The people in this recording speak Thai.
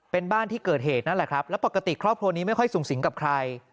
เป็นบ้านที่เกิดเหตุนั่นแหละครับแล้วปกติครอบครัวนี้ไม่ค่อยสูงสิงกับใคร